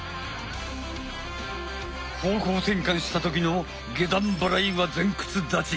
方向転換した時の下段払いは前屈立ち。